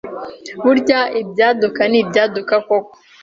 burya ibyaduka ni ibyaduka koko,